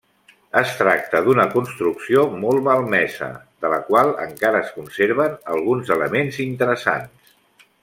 Es tracta d'una construcció molt malmesa, de la qual encara es conserven alguns elements interessants.